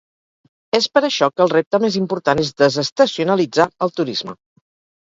És per això que el repte més important és desestacionalitzar el turisme.